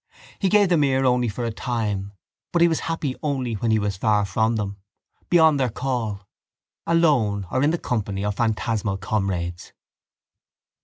He gave them ear only for a time but he was happy only when he was far from them, beyond their call, alone or in the company of phantasmal comrades.